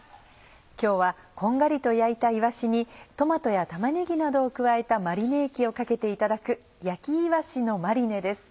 今日はこんがりと焼いたいわしにトマトや玉ねぎなどを加えたマリネ液をかけていただく「焼きいわしのマリネ」です。